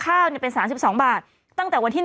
อันนั้นนั้นไขวติ